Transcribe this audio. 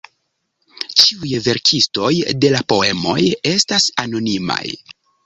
Ĉiuj verkistoj de la poemoj estas anonimaj.